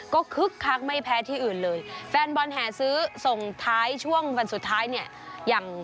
ก็คึกคักไม่แพ้ที่อื่นเลยแฟนบอลแห่ซื้อส่งท้ายช่วงวันสุดท้ายเนี่ยอย่าง